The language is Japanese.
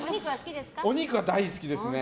お肉は大好きですね。